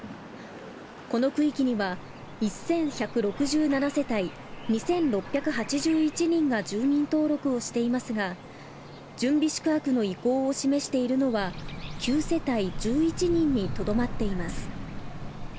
この区域には１１６７世帯２６８１人が住民登録をしていますが準備宿泊の意向を示しているのは９世帯１１人にとどまっています。